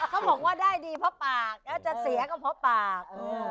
เขาบอกว่าได้ดีเพราะปากแล้วจะเสียก็เพราะปาก